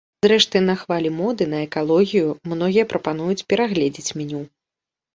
Зрэшты, на хвалі моды на экалогію многія прапануюць перагледзець меню.